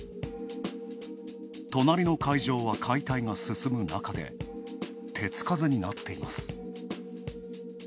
隣の会場は解体が進む中で手つかずになっています。